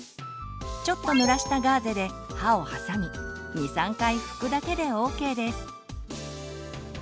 ちょっとぬらしたガーゼで歯を挟み２３回ふくだけでＯＫです。